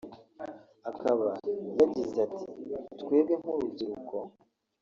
Akaba yagize ati “Twebwe nk’urubyiruko